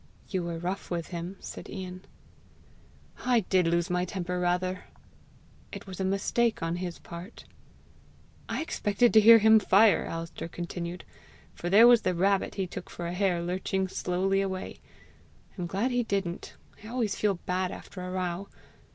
"You were rough with him!" said Ian. "I did lose my temper rather." "It was a mistake on his part." "I expected to hear him fire," Alister continued, "for there was the rabbit he took for a hare lurching slowly away! I'm glad he didn't: I always feel bad after a row!